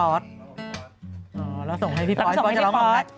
ท้องร้องของพี่ปอส